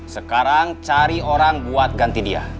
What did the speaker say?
sekarang cari orang buat ganti dia